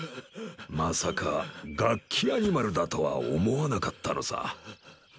まさかガッキアニマルだとは思わなかったのさ。